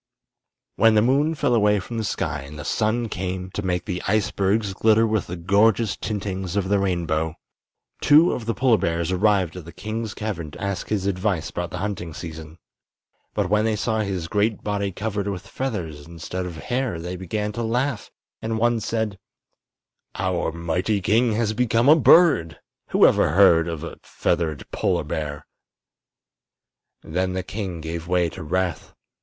When the moon fell away from the sky and the sun came to make the icebergs glitter with the gorgeous tintings of the rainbow, two of the polar bears arrived at the king's cavern to ask his advice about the hunting season. But when they saw his great body covered with feathers instead of hair they began to laugh, and one said: "Our mighty king has become a bird! Who ever before heard of a feathered polar bear?" Then the king gave way to wrath.